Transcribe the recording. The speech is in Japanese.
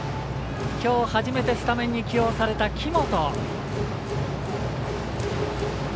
きょう初めてスタメンに起用された木本。